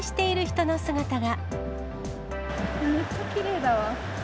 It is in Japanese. めっちゃきれいだわ。